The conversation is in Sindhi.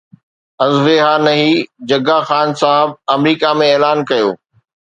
ازويها نهي جگا خان صاحب آمريڪا ۾ اعلان ڪيو